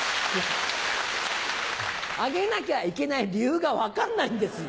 あげなきゃいけない理由が分かんないんですよ。